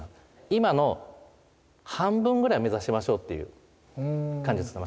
今の半分ぐらいを目指しましょうっていう感じで伝えます。